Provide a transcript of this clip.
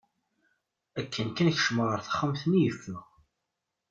Akken kan kecmeɣ ɣer texxamt-nni, yeffeɣ.